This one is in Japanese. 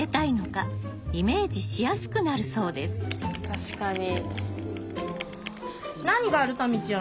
確かに。